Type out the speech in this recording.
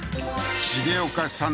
重岡さん